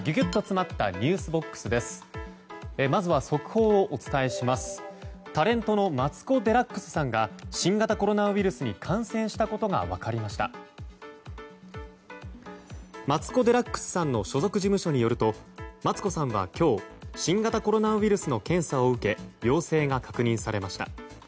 マツコ・デラックスさんの所属事務所によるとマツコさんは今日新型コロナウイルスの検査を受け陽性が確認されました。